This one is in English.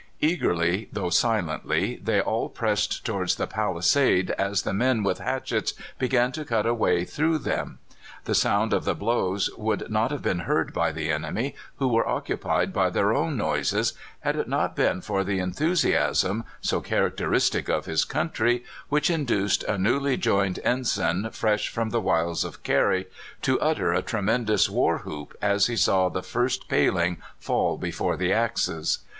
Eagerly, though silently, they all pressed towards the palisades as the men with hatchets began to cut a way through them. The sound of the blows would not have been heard by the enemy, who were occupied by their own noises, had it not been for the enthusiasm, so characteristic of his country, which induced a newly joined ensign, fresh from the wilds of Kerry, to utter a tremendous war whoop as he saw the first paling fall before the axes.